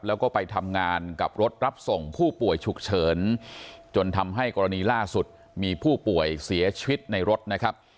แล้วก็ไปทำงานกับรถรับส่งผู้ป่วยฉุกเฉินจนทำให้กรณีล่าสุดมีผู้ป่วยเสียชีวิตในรถนะครับ